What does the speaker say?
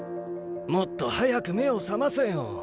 もっと早く目を覚ませよ。